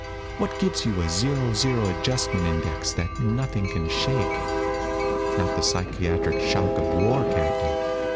What gives you a zero zero adjustment index that nothing can shake? Not the psychiatric shock of war, Captain.